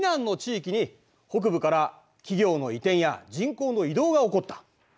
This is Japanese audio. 北部から企業の移転や人口の移動が起こった。